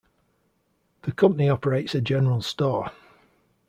The company operates a general store.